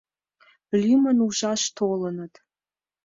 «Лӱмын ужаш толыныт.